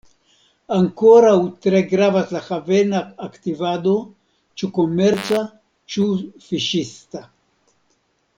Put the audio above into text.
Ankoraŭ tre gravas la havena aktivado, ĉu komerca, ĉu fiŝista.